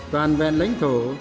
toàn vẹn lãnh thổ